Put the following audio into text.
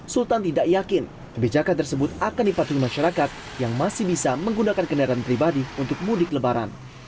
sultan tidak yakin kebijakan tersebut akan dipatuhi masyarakat yang masih bisa menggunakan kendaraan pribadi untuk mudik lebaran